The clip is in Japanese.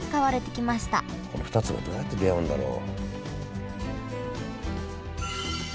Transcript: この２つがどうやって出会うんだろう？